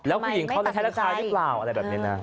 แล้วผู้หญิงเขาจะแท้ราคาหรือเปล่า